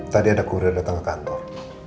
tadi ada kurir datang ke kantor